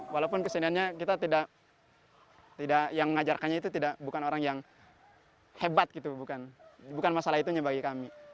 walaupun keseniannya kita tidak yang mengajarkannya itu bukan orang yang hebat gitu bukan masalah itunya bagi kami